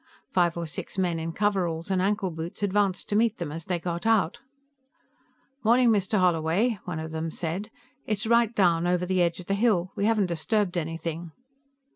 Five or six men in coveralls and ankle boots advanced to meet them as they got out. "Good morning, Mr. Holloway," one of them said. "It's right down over the edge of the hill. We haven't disturbed anything."